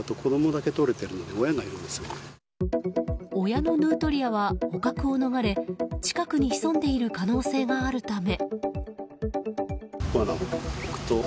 親のヌートリアは捕獲を逃れ近くに潜んでいる可能性があるため。